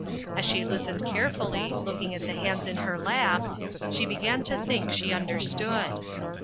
As she listened carefully, looking at the hands in her lap, she began to think she understood.